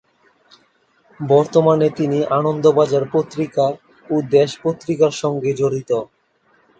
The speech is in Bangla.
বর্তমানে তিনি আনন্দবাজার পত্রিকা ও দেশ পত্রিকার সঙ্গে জড়িত।